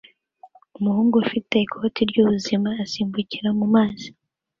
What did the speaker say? Umuhungu ufite ikoti ry'ubuzima asimbukira mu mazi